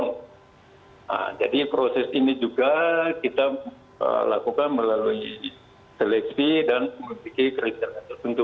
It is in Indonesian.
nah jadi proses ini juga kita lakukan melalui seleksi dan memiliki kriteria tertentu